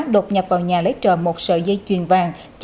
đột nhập vào nhà lấy trộm một sợi dây chuyền vàng